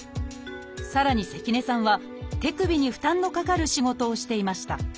さらに関根さんは手首に負担のかかる仕事をしていました。